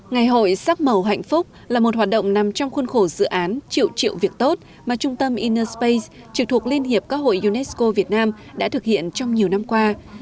ngày hội sắc màu hạnh phúc là một hoạt động nằm trong khuôn khổ dự án chịu triệu việc tốt mà trung tâm inner space trực thuộc liên hiệp các hội unesco việt nam mong muốn lan tỏa đến với tất cả mọi người